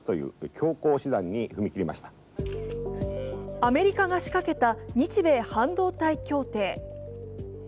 アメリカが仕掛けた日米半導体協定。